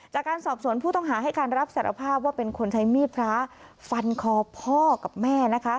จากการสอบสวนผู้ต้องหาให้การรับสารภาพว่าเป็นคนใช้มีดพระฟันคอพ่อกับแม่นะคะ